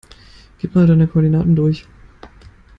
Gib mal deine Koordinaten durch.